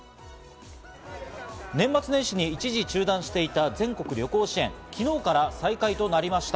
年末年始に一時中断していた全国旅行支援、昨日から再開となりました。